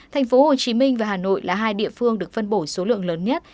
thành phố hồ chí minh và hà nội là hai địa phương được phân bổ số lượng lớn nhất